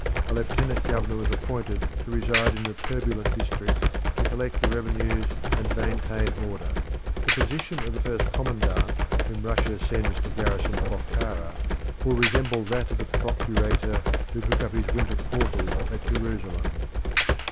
A lieutenant governor was appointed to reside in the turbulent district to collect the revenues and maintain order. The position of the first commandant whom Russia sends to garrison Bokhara will resemble that of the procurator who took up his winter quarters at Jerusalem.